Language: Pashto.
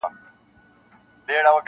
سلطانان یې دي په لومو کي نیولي-